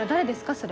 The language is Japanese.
それ。